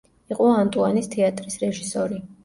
იყო ანტუანის თეატრის რეჟისორი.